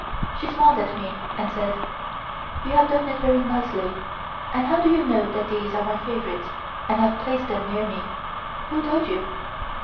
She smiled at me and said: "You have done it very nicely. And how do you know that these are my favorites and have placed them near me? Who told you?"